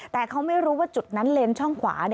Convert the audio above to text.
แต่เขาไม่รู้ว่าจุดนั้นเลนช่องขวา